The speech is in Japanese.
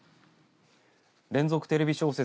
連続テレビ小説